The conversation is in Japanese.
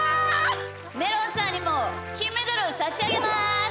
めろんさんにもきんメダルをさしあげます！